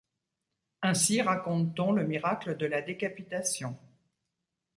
Ainsi raconte-t-on le miracle de la décapitation.